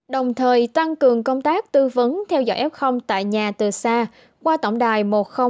đồng thời tăng cường công tác tư vấn theo dõi f tại nhà từ xa qua tổng đài một nghìn hai mươi hai